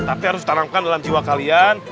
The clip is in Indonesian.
tapi harus tanamkan dalam jiwa kalian